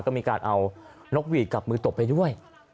ก็มีการเอานกหวีดกับมือตบไปด้วย